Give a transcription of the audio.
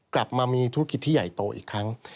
กลับมามีธุรกิจที่ใหญ่โตอีกครั้ง